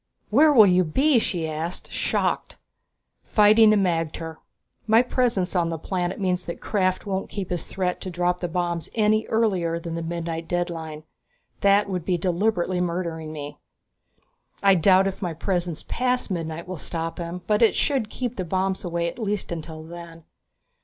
"Where will you be?" she asked, shocked. "Fighting the magter. My presence on the planet means that Krafft won't keep his threat to drop the bombs any earlier than the midnight deadline. That would be deliberately murdering me. I doubt if my presence past midnight will stop him, but it should keep the bombs away at least until then."